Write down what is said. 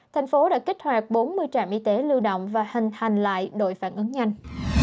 thành phố đã kích hoạt bốn mươi trạm y tế lưu động và hình thành lại đội phản ứng nhanh